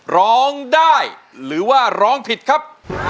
ร้องได้หรือว่าร้องผิดครับ